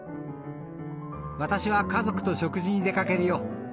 私は家族と食事に出かけるよ。